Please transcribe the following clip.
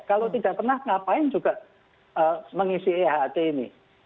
kalau tidak pernah ngapain juga mengisi ehat ini